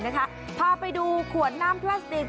พาไปดูขวดน้ำพลาสติก